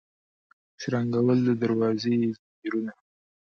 شرنګول د دروازو یې ځنځیرونه